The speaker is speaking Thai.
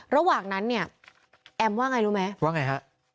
ระหว่างนั้นเนี่ยแอมว่าไงรู้ไหมว่าไงฮะ